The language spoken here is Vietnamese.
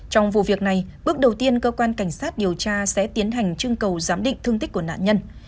trong vụ việc này bước đầu tiên cơ quan cảnh sát điều tra sẽ tiến hành trưng cầu giám định thương tích của nạn nhân